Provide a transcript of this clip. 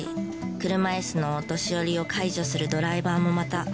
車椅子のお年寄りを介助するドライバーもまた高齢者でした。